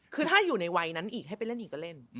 คือถ้าอยู่ในวัยนั้นอีกให้ไปเล่นอีกก็เล่น